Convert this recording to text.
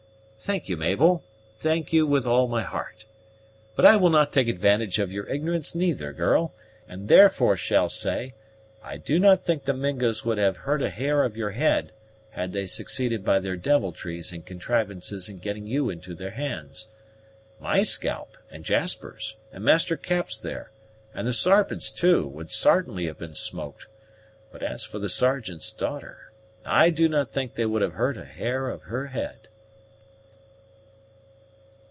"Thank you, Mabel, thank you with all my heart. But I will not take advantage of your ignorance neither, girl, and therefore shall say, I do not think the Mingos would have hurt a hair of your head, had they succeeded by their devilries and contrivances in getting you into their hands. My scalp, and Jasper's, and Master Cap's there, and the Sarpent's too, would sartainly have been smoked; but as for the Sergeant's daughter, I do not think they would have hurt a hair of her head."